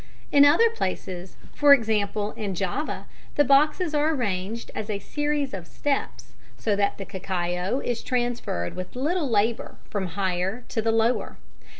] In other places, for example in Java, the boxes are arranged as a series of steps, so that the cacao is transferred with little labour from the higher to the lower.